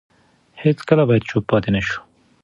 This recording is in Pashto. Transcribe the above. هیڅکله باید چوپ پاتې نه شو.